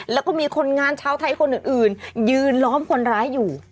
แล้วก็มีคนงานชาวไทยคนอื่นยืนล้อมคนร้ายอยู่